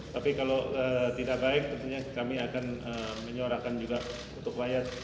tapi kalau tidak baik tentunya kami akan menyuarakan juga untuk rakyat